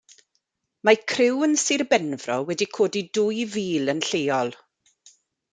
Mae criw yn Sir Benfro wedi codi dwy fil yn lleol.